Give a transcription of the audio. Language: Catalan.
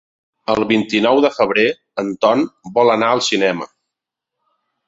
El vint-i-nou de febrer en Ton vol anar al cinema.